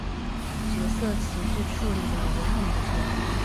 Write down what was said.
角色情绪处理的也很不错